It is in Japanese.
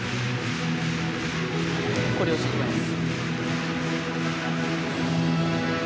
コレオシークエンス。